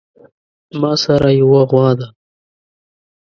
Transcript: ماسره يوه غوا ده